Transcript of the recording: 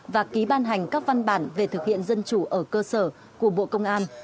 và ký ban hành các văn bản về thực hiện dân chủ ở cơ sở của bộ công an